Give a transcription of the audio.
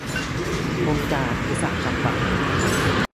องค์การอุตสาหกรรมป่าไม้